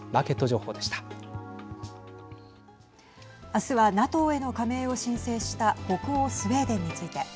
あすはＮＡＴＯへの加盟を申請した北欧スウェーデンについて。